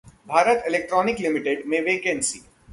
Bharat electronic limited में vacancy